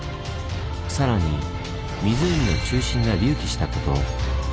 さらに湖の中心が隆起したこと。